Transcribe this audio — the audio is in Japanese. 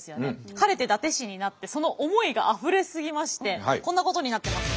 晴れて伊達市になってその思いがあふれすぎましてこんなことになってます。